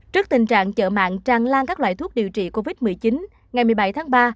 trước tình trạng chợ mạng tràn lan các loại thuốc điều trị covid một mươi chín ngày một mươi bảy tháng ba